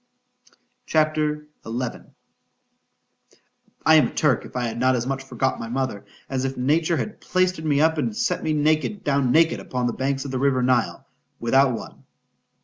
C H A P. XI I AM a Turk if I had not as much forgot my mother, as if Nature had plaistered me up, and set me down naked upon the banks of the river Nile, without one.